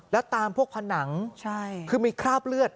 แล้วตามพวกผนังคือมีคราบเลือด